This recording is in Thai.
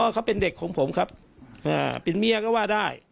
เขาเป็นเด็กของผมครับเป็นเมียก็ว่าได้